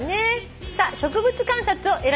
さあ「植物観察」を選びました